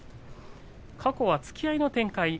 過去は突き合いの展開